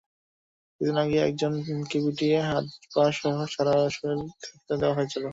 কিছুদিন আগে অন্য একজনকে পিটিয়ে হাত-পাসহ সারা শরীর থেঁতলে দেওয়া হয়েছিল।